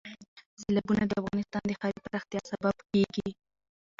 سیلابونه د افغانستان د ښاري پراختیا سبب کېږي.